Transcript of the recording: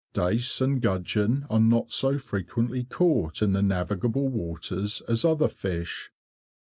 Dace and gudgeon are not so frequently caught in the navigable waters as other fish.